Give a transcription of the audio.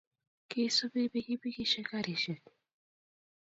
kisupi pikipikishek karishek